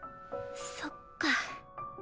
そっか。